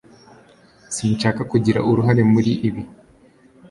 Sinshaka kugira uruhare muri ibi